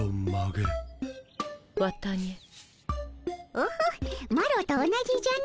オホマロと同じじゃの。